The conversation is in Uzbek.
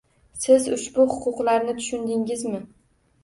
«Siz ushbu huquqlarni tushundingizmi?»